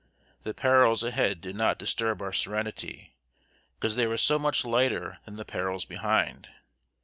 The perils ahead did not disturb our serenity, because they were so much lighter than the perils behind.